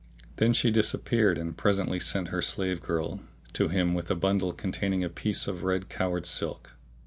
Then she disappeared and presently sent her slave girl to him with a bundle containing a piece of red flowered silk.